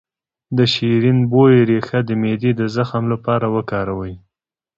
د شیرین بویې ریښه د معدې د زخم لپاره وکاروئ